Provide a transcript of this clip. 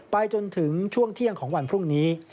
จนถึงช่วงเที่ยงของวันพรุ่งนี้